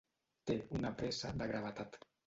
Té una pressa de gravetat.